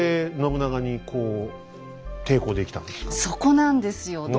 そこなんですよ。